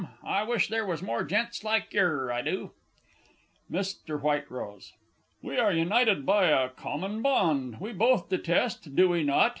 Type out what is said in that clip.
I wish there was more gents like yer, I do! MR. W. We are united by a common bond. We both detest do we not?